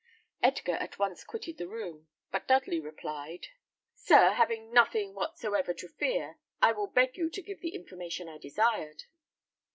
Edgar at once quitted the room, but Dudley replied "Sir, having nothing whatsoever to fear, I will beg you to give the information I desired."